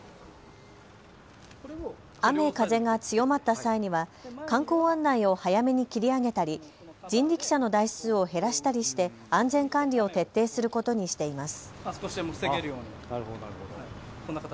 雨風が強まった際には観光案内を早めに切り上げたり人力車の台数を減らしたりして安全管理を徹底することにしています。